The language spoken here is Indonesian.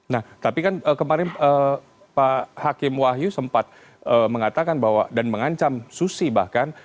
nah tapi kan kemarin pak hakim wahyu sempat mengatakan bahwa dan mengancam susi bahkan